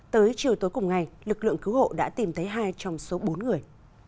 tới chiều tối cùng ngày lực lượng cứu hộ đã tìm thấy hai trong số bốn người